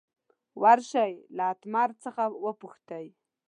ور شئ له اتمر څخه وپوښتئ.